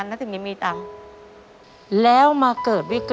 อเรนนี่ต้องมีวัคซีนตัวหนึ่งเพื่อที่จะช่วยดูแลพวกม้ามและก็ระบบในร่างกาย